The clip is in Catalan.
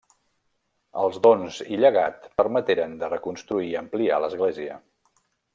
Els dons i llegat permeteren de reconstruir i ampliar l'església.